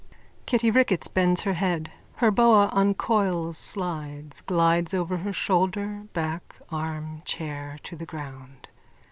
_(Kitty Ricketts bends her head. Her boa uncoils, slides, glides over her shoulder, back, arm, chair to the ground.